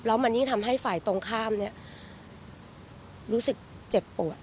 แล้วมันยิ่งทำให้ฝ่ายตรงข้ามเนี่ยรู้สึกเจ็บปวด